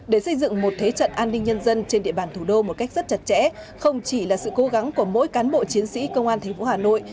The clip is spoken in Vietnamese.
để xây dựng một thế trận an ninh nhân dân trên địa bàn thủ đô một cách rất chặt chẽ không chỉ là sự cố gắng của mỗi cán bộ chiến sĩ công an tp hà nội